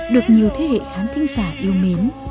được nhiều thế hệ khán giả yêu mến